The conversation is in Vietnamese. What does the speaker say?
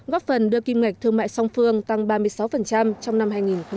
góp phần đưa kim ngạch thương mại song phương tăng ba mươi sáu trong năm hai nghìn hai mươi